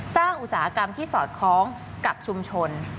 อุตสาหกรรมที่สอดคล้องกับชุมชน